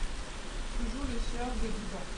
Toujours le sieur Gaudiband !